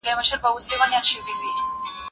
هغه سړی په سفر روان دی.